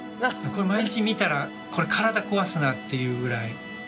これ毎日見たらこれ体壊すなっていうぐらい。